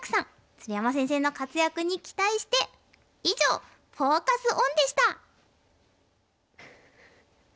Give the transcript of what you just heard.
鶴山先生の活躍に期待して以上フォーカス・オンでした。